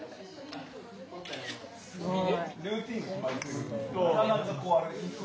すごい。